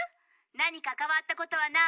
なにかかわったことはない？」。